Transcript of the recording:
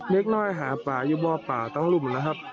เล็กน้อยหาป่าอยู่บ่อป่าต้องรุ่มนะครับ